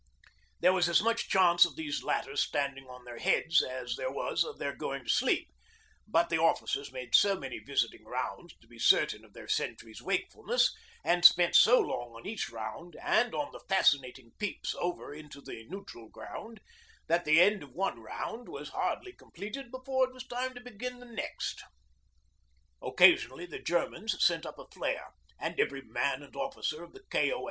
There was as much chance of these latter standing on their heads as there was of their going to sleep, but the officers made so many visiting rounds to be certain of their sentries' wakefulness, and spent so long on each round and on the fascinating peeps over into 'the neutral ground,' that the end of one round was hardly completed before it was time to begin the next. Occasionally the Germans sent up a flare, and every man and officer of the K.O.A.